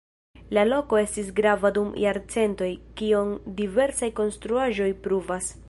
La loko estis grava dum jarcentoj, kion diversaj konstruaĵoj pruvas.